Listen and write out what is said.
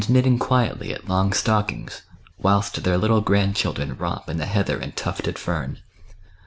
241 Imitting quietly at long stockings, whilst their little grandchildren romp in the heather and tufted fern.